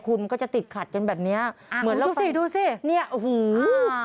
คุณก็จะติดขัดกันแบบนี้อ่าดูสิเนี่ยอื้อ